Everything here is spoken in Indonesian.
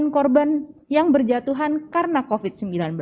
untuk bisa menyelesaikan pandemi yang berjatuhan karena covid sembilan belas